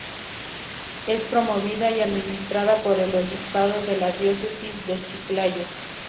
Es promovida y administrada por el obispado de la diócesis de Chiclayo.